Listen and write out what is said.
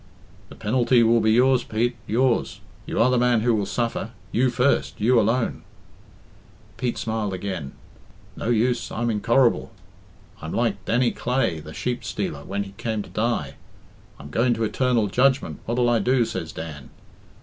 "The penalty will be yours, Pete yours. You are the man who will suffer you first you alone." Pete smiled again. "No use I'm incorr'iblê. I'm like Dan ny Clae, the sheep stealer, when he came to die. 'I'm going to eternal judgment what'll I do?' says Dan.